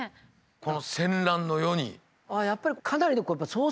この戦乱の世に。